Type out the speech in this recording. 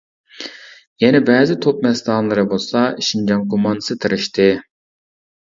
يەنە بەزى توپ مەستانىلىرى بولسا: شىنجاڭ كوماندىسى تىرىشتى.